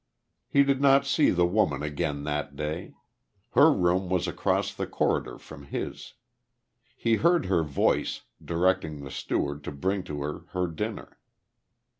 He did not see The Woman again that day.... Her room was across the corridor from his. He heard her voice, directing the steward to bring to her her dinner....